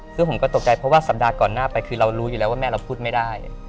ซึ่งผมก็ตกใจเพราะว่าสัปดาห์ก่อนหน้าไปคือเรารู้อยู่แล้วว่าแม่เราพูดไม่ได้